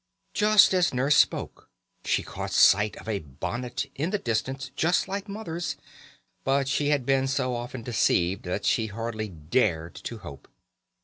Just as Nurse spoke she caught sight of a bonnet in the distance just like Mother's, but she had been so often deceived that she hardly dared to hope.